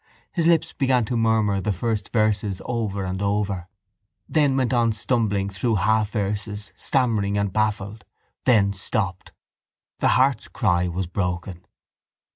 His lips began to murmur the first verses over and over; then went on stumbling through half verses, stammering and baffled; then stopped. The heart's cry was broken.